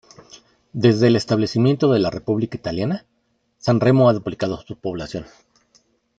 Desde el establecimiento de la república italiana, San Remo ha duplicado su población.